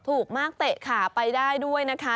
ถูกมากเตะขาไปได้ด้วยนะคะ